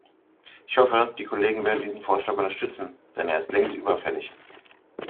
Ich hoffe, die Kollegen werden diesen Vorschlag unterstützen, denn er ist längst überfällig.